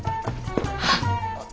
あっ。